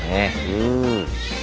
うん。